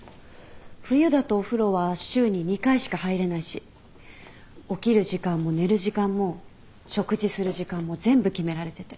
冬だとお風呂は週に２回しか入れないし起きる時間も寝る時間も食事する時間も全部決められてて。